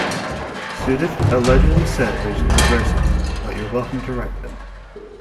Sudduth allegedly said There's no verses, but you're welcome to write them.